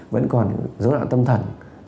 vẫn còn dấu nạn tâm thần